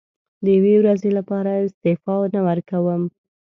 د یوې ورځې لپاره استعفا نه ورکووم.